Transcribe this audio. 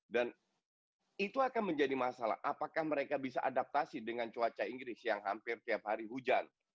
dan itu akan menjadi masalah apakah mereka bisa adaptasi dengan cuaca inggris yang hampir tiap hari hujan